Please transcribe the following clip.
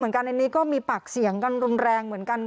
ในนี้ก็มีปากเสียงกันรุนแรงเหมือนกัน